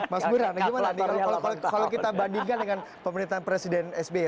mas buran gimana nih kalau kita bandingkan dengan pemerintahan presiden sby